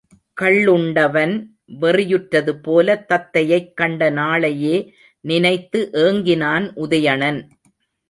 கள்ளுண்டவன் வெறியுற்றதுபோலத் தத்தையைக் கண்ட நாளையே நினைத்து ஏங்கினான் உதயணன்.